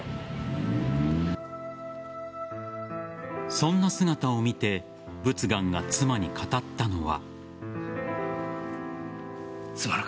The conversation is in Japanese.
そんな姿を見て佛願が妻に語ったのは。